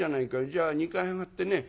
じゃあ２階へ上がってね